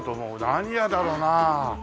何屋だろうな？